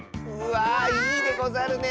わあいいでござるね。